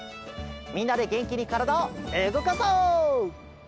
みんなでげんきにからだをうごかそう！